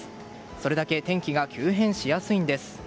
それだけ天気が急変しやすいんです。